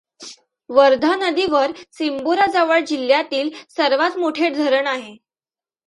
वर्धा नदीवर सिंबोराजवळ जिल्ह्यातील सर्वात मोठे धरण आहे.